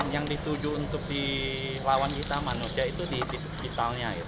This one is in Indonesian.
yang dituju untuk di lawan kita manusia itu di vitalnya